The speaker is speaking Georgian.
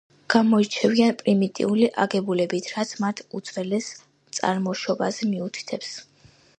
გამოირჩევიან პრიმიტიული აგებულებით, რაც მათ უძველეს წარმოშობაზე მიუთითებს.